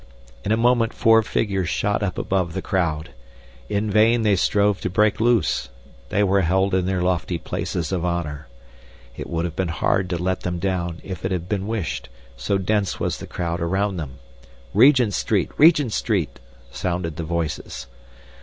In a moment four figures shot up above the crowd. In vain they strove to break loose. They were held in their lofty places of honor. It would have been hard to let them down if it had been wished, so dense was the crowd around them. 'Regent Street! Regent Street!' sounded the voices.